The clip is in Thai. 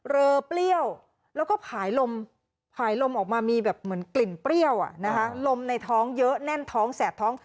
อเปรี้ยวแล้วก็ผายลมผายลมออกมามีแบบเหมือนกลิ่นเปรี้ยวลมในท้องเยอะแน่นท้องแสบท้อง